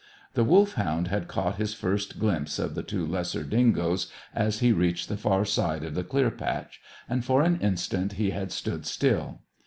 The Wolfhound had caught his first glimpse of the two lesser dingoes as he reached the far side of the clear patch, and, for an instant he had stood still.